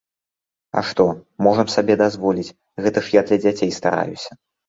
А што, можам сабе дазволіць, гэта ж я для дзяцей стараюся!